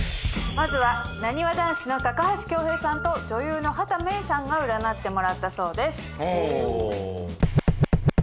まずはなにわ男子の高橋恭平さんと女優の畑芽育さんが占ってもらったそうです。